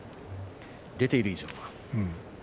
出ている以上は。